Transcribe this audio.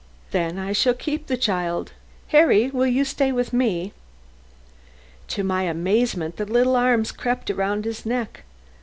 "Then I shall keep the child. Harry, will you stay with me?" To my amazement the little arms crept round his neck.